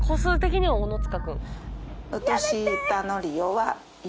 はい。